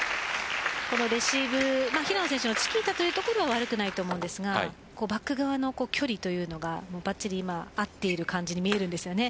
このレシーブ、平野選手のチキータは悪くないと思うんですけどバック側の距離というのがばっちり合っている感じに見えるんですね。